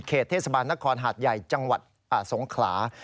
เทศบาลนครหาดใหญ่จังหวัดสงขลา